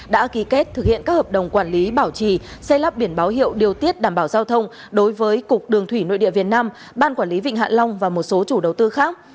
đã ký kết thực hiện các hợp đồng quản lý bảo trì xây lắp biển báo hiệu điều tiết đảm bảo giao thông đối với cục đường thủy nội địa việt nam ban quản lý vịnh hạ long và một số chủ đầu tư khác